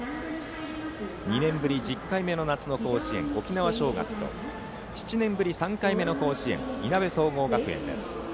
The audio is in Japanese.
２年ぶり１０回目の夏の甲子園沖縄尚学と７年ぶり３回目の甲子園いなべ総合学園です。